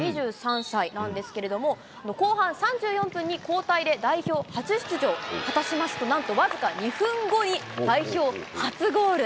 ２３歳なんですけれども、後半３４分に交代で代表初出場果たしますと、なんと僅か２分後に代表初ゴール。